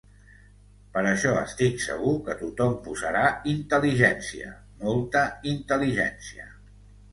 Per això estic segur que tothom posarà intel·ligència, molta intel·ligència.